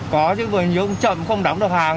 có chứ vừa nhớ chậm không đóng được hàng